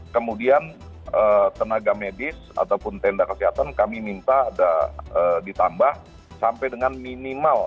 kemudian tenaga medis ataupun tenda kesehatan kami minta ada ditambah sampai dengan minimal